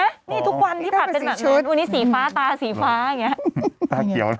นี่ทุกวันที่ผัดสีชุดอันนี้สีฟ้าตาสีฟ้าอย่างเงี้ยตาเกี่ยวกันนะ